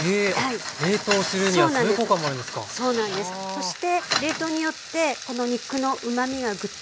そして冷凍によってこの肉のうまみがぐっと。